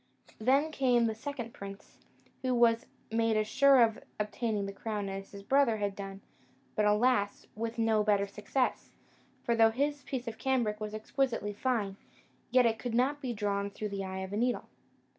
Then came the second prince, who made as sure of obtaining the crown as his brother had done, but, alas! with no better success; for though his piece of cambric was exquisitely fine, yet it could not be drawn through the eye of the needle.